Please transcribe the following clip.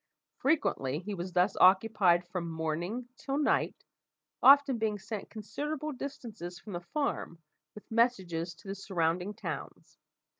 Frequently he was thus occupied from morning till night, often being sent considerable distances from the farm with messages to the surrounding towns.